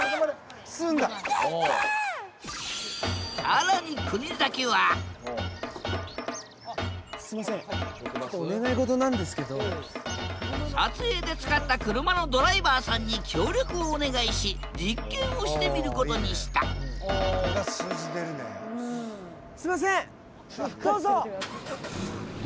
更に国崎は撮影で使った車のドライバーさんに協力をお願いし実験をしてみることにしたすいませんどうぞ。